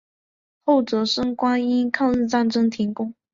后哲生馆因抗日战争停工。